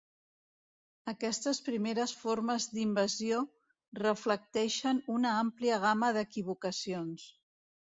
Aquestes primeres formes d'invasió reflecteixen una àmplia gama d'equivocacions.